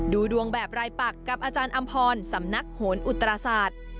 ดูดวงแบบรายปักกับอาจารย์อำพรสำนักโหนอุตราศาสตร์